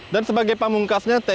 dan sebagai penghentian panduan